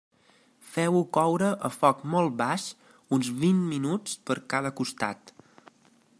Feu-ho coure, a foc molt baix, uns vint minuts per cada costat.